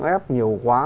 êp nhiều quá